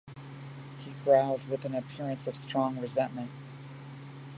he growled with an appearance of strong resentment.